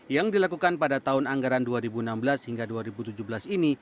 yang dilakukan pada tahun anggaran dua ribu enam belas hingga dua ribu tujuh belas ini